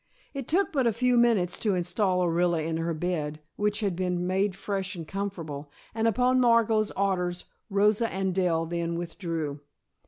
It took but a few minutes to install Orilla in her bed, which had been made fresh and comfortable, and upon Margot's orders Rosa and Dell then withdrew.